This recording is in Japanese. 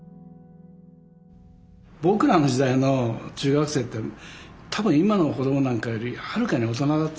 僕らの時代の中学生って多分今の子供なんかよりはるかに大人だった。